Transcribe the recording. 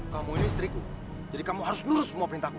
kamu ini istriku jadi kamu harus nurut semua perintahku